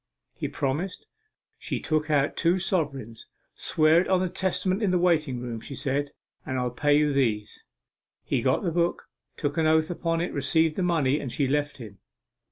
He promised; she took out two sovereigns. "Swear it on the Testament in the waiting room," she said, "and I'll pay you these." He got the book, took an oath upon it, received the money, and she left him.